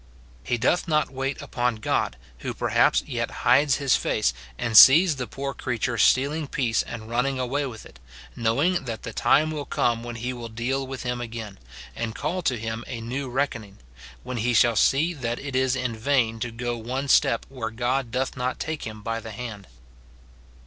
Ho cloth not wait upon God, who perhaps yet hides his face, and sees the poor creature stealing peace and running away with it, knowing that the time will come when he will deal with him again, and call him to a new reckoning ;* when he shall see that it is in vain to go one step where God doth not take him by the hand.